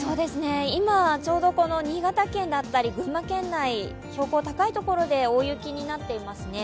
今ちょうど新潟県だったり群馬県内、標高の高い所で大雪になっていますね。